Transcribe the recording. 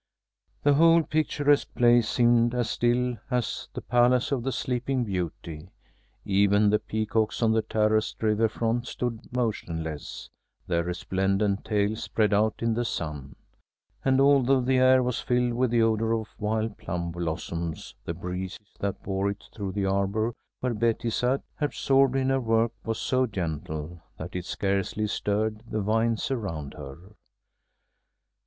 The whole picturesque place seemed as still as the palace of the Sleeping Beauty. Even the peacocks on the terraced river front stood motionless, their resplendent tails spread out in the sun; and although the air was filled with the odor of wild plum blossoms, the breeze that bore it through the arbor where Betty sat, absorbed in her work, was so gentle that it scarcely stirred the vines around her.